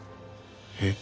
えっ